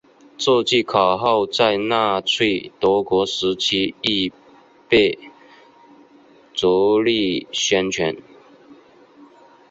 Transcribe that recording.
这句口号在纳粹德国时期亦被着力宣传。